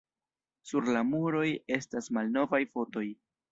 Sur la muroj estas malnovaj fotoj.